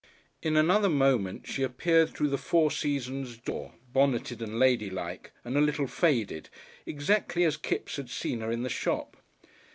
In another moment she appeared through the four seasons door, bonneted and ladylike, and a little faded, exactly as Kipps had seen her in the shop.